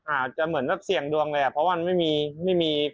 อาจจะเหมือนว่าเสี่ยงดวงเลยอ่ะเพราะว่าไม่มี